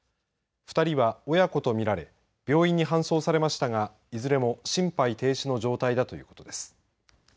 ２人は親子とみられ病院に搬送されましたがいずれも心肺停止の状態だということです。